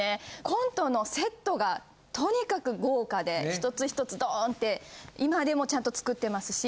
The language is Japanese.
コントのセットがとにかく豪華で１つ１つドーンって今でもちゃんと作ってますし。